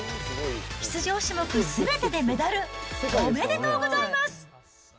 出場種目すべてでメダル、おめでとうございます。